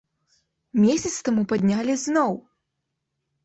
Месяц таму паднялі зноў!